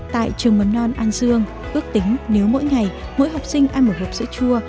tại trường mầm non an dương ước tính nếu mỗi ngày mỗi học sinh ăn một hộp sữa chua